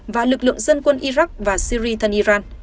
và lực lượng dân quân iraq và syria thân iran